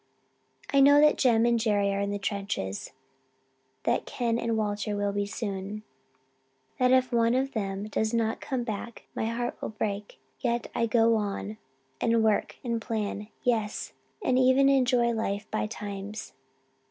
I know that Jem and Jerry are in the trenches that Ken and Walter will be soon that if one of them does not come back my heart will break yet I go on and work and plan yes, and even enjoy life by times.